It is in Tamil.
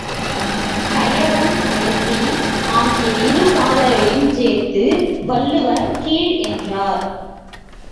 கயவன், கயத்தி ஆகிய இருபாலரையுஞ் சேர்த்து வள்ளுவர் கீழ் என்றார்.